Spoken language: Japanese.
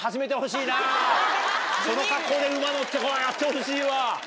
その格好で馬乗ってやってほしいわ。